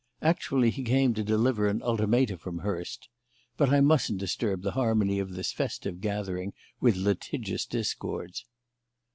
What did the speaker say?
Actually he came to deliver an ultimatum from Hurst But, I mustn't disturb the harmony of this festive gathering with litigious discords."